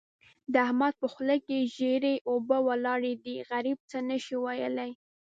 د احمد په خوله کې ژېړې اوبه ولاړې دي؛ غريب څه نه شي ويلای.